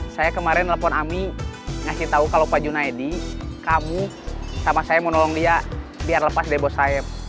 saya kemarin nelfon ami ngasih tahu kalau pak junaidi kamu sama saya mau nolong dia biar lepas debo saya